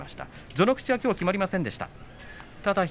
序ノ口はきょうは決まりませんでした。